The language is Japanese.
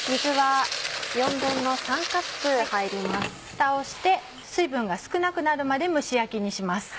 ふたをして水分が少なくなるまで蒸し焼きにします。